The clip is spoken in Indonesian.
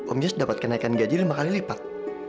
om jas dapat kenaikan gaji lima kali lipat